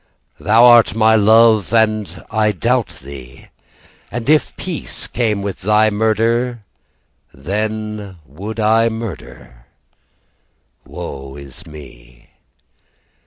Thou art my love, And I doubt thee. And if peace came with thy murder Then would I murder Woe is me.